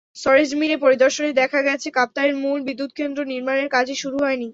সরেজমিনে পরিদর্শনে দেখা গেছে, কাপ্তাইয়ে মূল বিদ্যুৎকেন্দ্র নির্মাণের কাজই শুরু হয়নি।